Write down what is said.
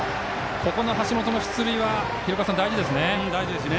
橋本の出塁は大事ですね。